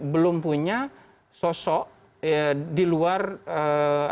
belum punya sosok yang bisa mengerek